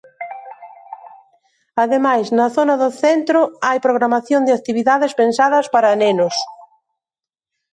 Ademais, na zona do centro hai programación de actividades pensadas para nenos.